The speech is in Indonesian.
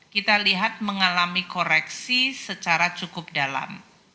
kita lihat mengalami koreksi secara cukup dalam